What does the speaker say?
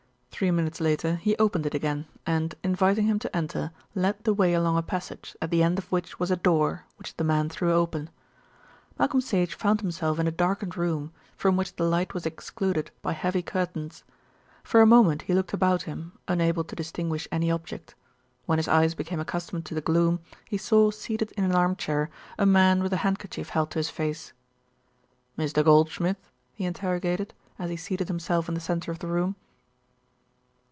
Three minutes later he opened it again and, inviting him to enter, led the way along a passage, at the end of which was a door, which the man threw open. Malcolm Sage found himself in a darkened room, from which the light was excluded by heavy curtains. For a moment he looked about him, unable to distinguish any object. When his eyes became accustomed to the gloom, he saw seated in an armchair a man with a handkerchief held to his face. "Mr. Goldschmidt?" he interrogated, as he seated himself in the centre of the room.